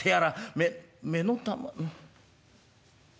目目の玉」。